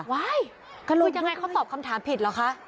ว้ายกระโหลกยุบคุณจะไงเขาตอบคำถามผิดเหรอคะ